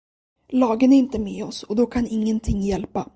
Lagen är inte med oss, och då kan ingenting hjälpa.